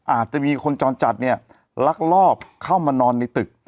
อาจจะมีคนจรจัดเนี่ยลักลอบเข้ามานอนในตึก